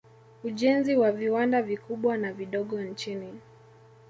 Ujenzi wa viwanda vikubwa na vidogo nchini